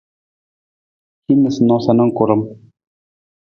Hin noosanoosa na karam.